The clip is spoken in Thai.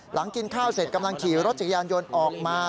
กินข้าวเสร็จกำลังขี่รถจักรยานยนต์ออกมา